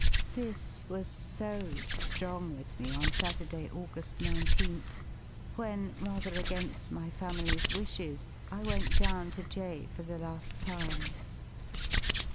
' This was so ^rong with me on Saturday, Augu^ 19th, when, rather again^ my family's wishes, I went down to T"! for the la^ time.